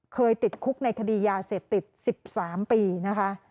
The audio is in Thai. ติดคุกในคดียาเสพติด๑๓ปีนะคะ